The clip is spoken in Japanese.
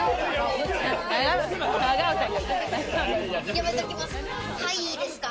やめときますか？